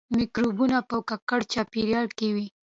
مکروبونه په ککړ چاپیریال کې وي